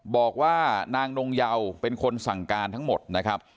บอกว่านางนงเยาเป็นคนสั่งการทั้งหมดนะครับ